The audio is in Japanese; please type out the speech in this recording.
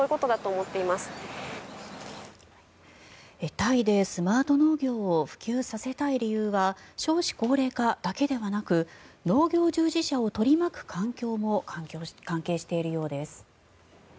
タイでスマート農業を普及させたい理由は少子高齢化だけではなく農業従事者を取り巻く環境も関係しているようです。